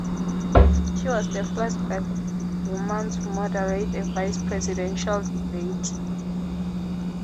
She was the first black woman to moderate a vice-presidential debate.